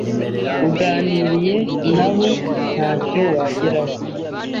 uganiriye nabo ntacyo wageraho